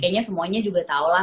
kayaknya semuanya juga tahu lah